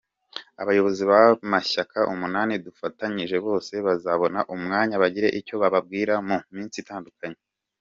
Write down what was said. Abayobozi b’amashyaka umunani dufatanyije bose bazabona umwanya bagire icyo bababwira mu minsi itandukanye.